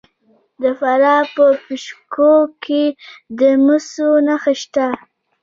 د فراه په پشت کوه کې د مسو نښې شته.